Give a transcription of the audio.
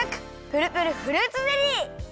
プルプルフルーツゼリー！